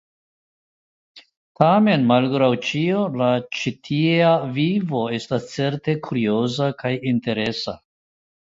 Tamen, malgraŭ ĉio, la ĉitiea vivo estas certe kurioza kaj interesa.